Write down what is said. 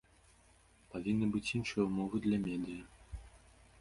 Павінны быць іншыя ўмовы для медыя.